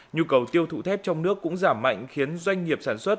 nhu cầu tiêu thụ thép trong nước cũng giảm mạnh khiến doanh nghiệp sản xuất